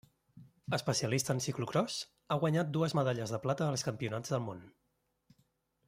Especialista en ciclocròs, ha guanyat dues medalles de plata als Campionats del món.